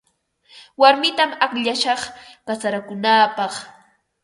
Warmitam akllashaq kasarakunaapaq.